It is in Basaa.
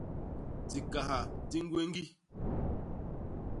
Dikaha di ñgwéñgi.